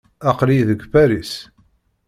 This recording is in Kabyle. Aql-iyi deg Paris.